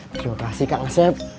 terima kasih kak nasib